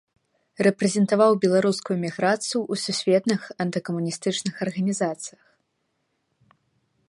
Рэпрэзентаваў беларускую эміграцыю ў сусветных антыкамуністычных арганізацыях.